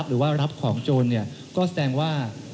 รับหรือรับของโจรเนี่ยก็แสดงว่า